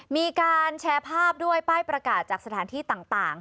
มีการแชร์ภาพด้วยป้ายประกาศจากสถานที่ต่าง